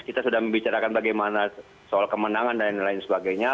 kita sudah membicarakan bagaimana soal kemenangan dan lain sebagainya